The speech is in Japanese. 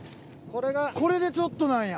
これでちょっとなんや。